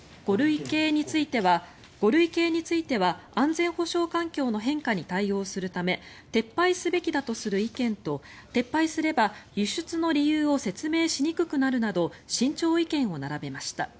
５類型については安全保障環境の変化に対応するため撤廃すべきだとする意見と撤廃すれば輸出の理由を説明しにくくなるなど慎重意見を並べました。